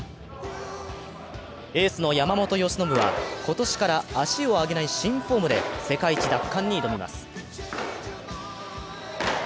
エースの山本由伸は、今年から足を上げない新フォームで世界一奪還に挑みます。